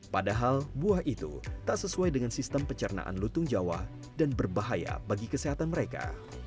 padahal buah itu tak sesuai dengan sistem pencernaan lutung jawa dan berbahaya bagi kesehatan mereka